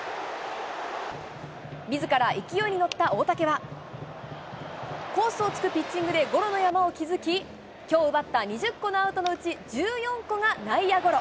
自ら勢いに乗った大竹は、コースを突くピッチングでゴロの山を築き、きょう奪った２０個のアウトのうち１４個が内野ゴロ。